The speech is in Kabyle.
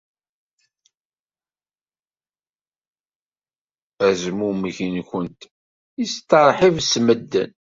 Azmumeg-nwent yesteṛḥib s medden.